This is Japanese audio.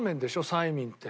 サイミンって。